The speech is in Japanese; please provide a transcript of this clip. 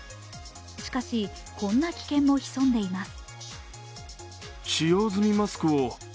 しかし、こんな危険も潜んでいます